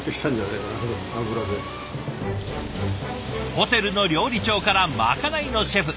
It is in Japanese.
ホテルの料理長からまかないのシェフ。